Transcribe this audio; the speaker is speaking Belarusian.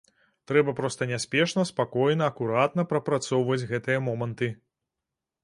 Трэба проста няспешна, спакойна, акуратна прапрацоўваць гэтыя моманты.